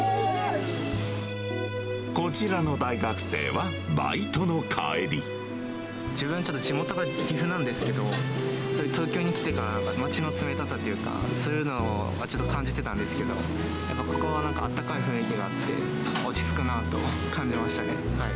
こちらの大学生は、自分、地元がちょっと岐阜なんですけど、東京に来てから、街の冷たさっていうか、そういうのはちょっと感じてたんですけど、やっぱりここはあったかい雰囲気があって、落ち着くなぁと感じましたね。